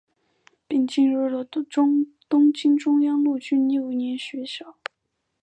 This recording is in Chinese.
并进入了东京中央陆军幼年学校。